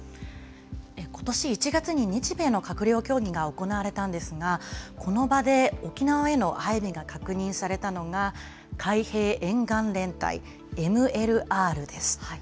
ことし１月に日米の閣僚協議が行われたんですが、この場で沖縄への配備が確認されたのが、海兵沿岸連隊・ＭＬＲです。